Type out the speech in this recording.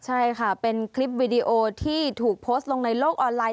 ใช่ค่ะเป็นคลิปวีดีโอที่ถูกโพสต์ลงในโลกออนไลน